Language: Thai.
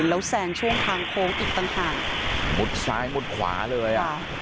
แล้วแซงช่วงทางโค้งอีกต่างหากมุดซ้ายมุดขวาเลยอ่ะค่ะ